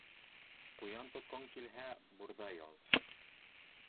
Ҡуян тотҡоң килһә, бурҙай ал.